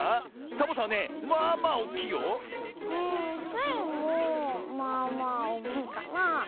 スイもまあまあおおきいかな。